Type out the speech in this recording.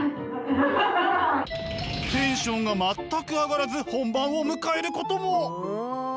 テンションが全く上がらず本番を迎えることも！